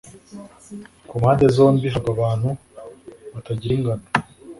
ku mpande zombi, hagwa abantu batagira ingano